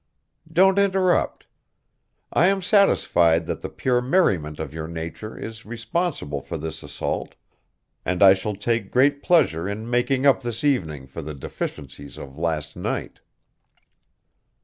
Don't interrupt. I am satisfied that the pure merriment of your nature is responsible for this assault, and I shall take great pleasure in making up this evening for the deficiencies of last night."